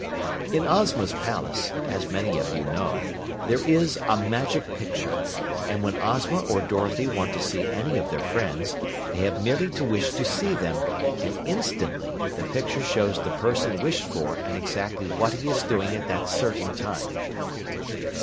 In Ozma's palace, as many of you know, there is a Magic Picture, and when Ozma or Dorothy want to see any of their friends, they have merely to wish to see them, and instantly the picture shows the person wished for and exactly what he is doing at that certain time.